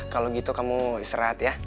kalau gitu kamu serat ya